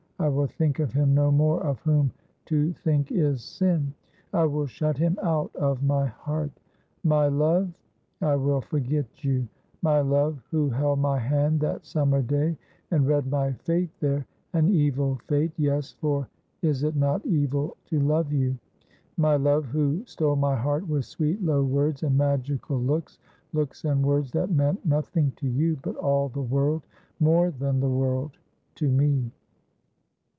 I will think of him no more of whom to think is sin. I will shut him out of my heart. My love, I will forget you ! My love, who held my hand that summer day, and read my fate there — an evil fate — yes, for is it not evil to love you ? my love, who stole my heart with sweet low words and magical looks — looks and words that meant nothing to you, but all the world — more than the world — to me.